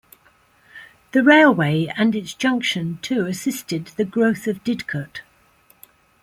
The railway and its junction to assisted the growth of Didcot.